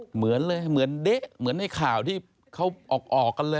เหมือนเลยเหมือนเด๊ะเหมือนในข่าวที่เขาออกกันเลย